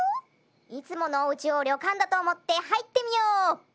いつものおうちをりょかんだとおもってはいってみよう！